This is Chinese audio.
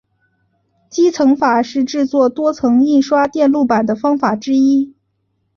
积层法是制作多层印刷电路板的方法之一。